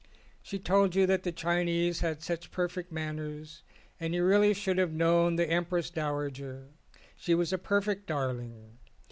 She told you that the Chinese had such perfect manners and you really should have known the Empress Dowager; she was a perfect darling.